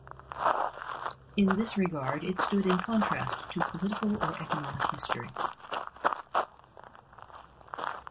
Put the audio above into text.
In this regard it stood in contrast to political or economic history.